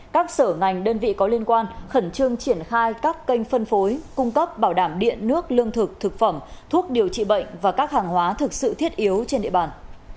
các sở ngành đơn vị có liên quan khẩn trương triển khai các kênh phân phối cung cấp bảo đảm điện nước lương thực thực phẩm thuốc điều trị bệnh và các hàng hóa thực sự thiết yếu trên địa bàn